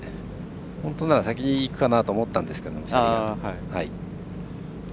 本当なら、先にいくかなと思ったんですけどね。